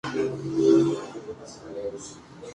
No podemos prohibir su compra a las personas.